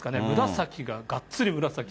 紫ががっつり紫。